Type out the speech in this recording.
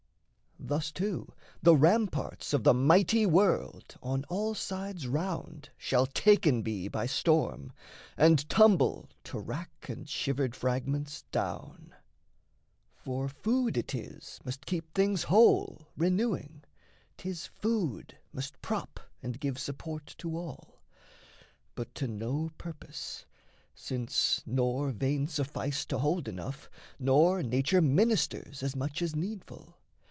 Thus, too, the ramparts of the mighty world On all sides round shall taken be by storm, And tumble to wrack and shivered fragments down. For food it is must keep things whole, renewing; 'Tis food must prop and give support to all, But to no purpose, since nor veins suffice To hold enough, nor nature ministers As much as needful.